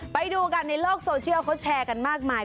ไปดูกันในโลกโซเชียลเขาแชร์กันมากมาย